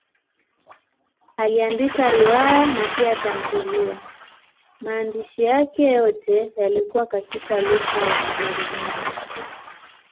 Aliandika riwaya na pia tamthiliya; maandishi yake yote yalikuwa katika lugha ya Kijerumani.